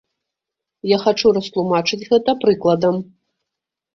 Я хачу растлумачыць гэта прыкладам.